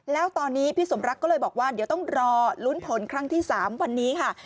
แล้วตอนนี้พี่สมรักก็เลยบอกว่าเดี๋ยวต้องรอลุ้นผลครั้งที่๓วันนี้ค่ะ